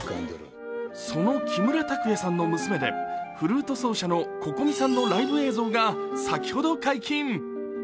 その木村拓哉さんの娘でフルート奏者のＣｏｃｏｍｉさんのライブ映像が先ほど解禁。